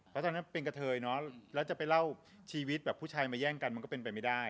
เพราะตอนนั้นเป็นกะเทยเนอะแล้วจะไปเล่าชีวิตแบบผู้ชายมาแย่งกันมันก็เป็นไปไม่ได้